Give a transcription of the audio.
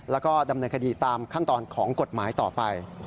แล้วก็ดำเนินคดีตามขั้นตอนของกฎหมายต่อไป